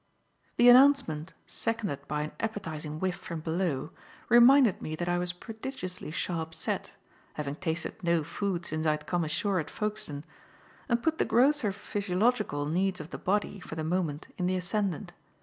The announcement, seconded by an appetizing whiff from below, reminded me that I was prodigiously sharp set, having tasted no food since I had come ashore at Folkestone, and put the grosser physiological needs of the body, for the moment, in the ascendant.